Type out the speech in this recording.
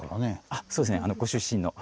あそうですねご出身の。